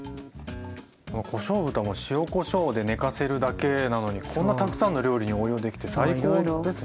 このこしょう豚も塩・こしょうで寝かせるだけなのにこんなたくさんの料理に応用できて最高ですね。